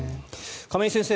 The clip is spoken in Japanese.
亀井先生